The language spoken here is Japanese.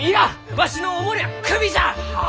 わしのお守りはクビじゃあ！